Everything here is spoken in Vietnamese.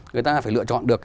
người ta phải lựa chọn được